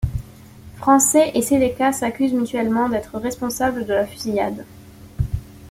Français et Seleka s'accusent mutuellement d'être responsables de la fusillade.